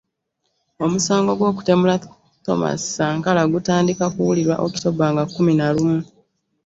Omusango gw'okutemula Thomas Sankara gutandika okuwulirwa October nga kkumi na lumu.